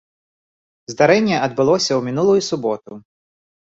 Здарэнне адбылося ў мінулую суботу.